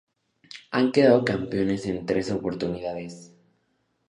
Han quedado campeones en tres oportunidades.